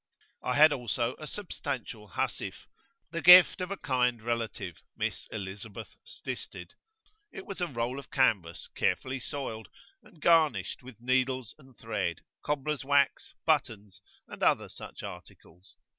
I had also a substantial housewife, the gift of a kind relative, Miss Elizabeth Stisted; it was a roll of canvas, carefully soiled, and garnished with needles and thread, cobblers' wax, buttons, and other such articles.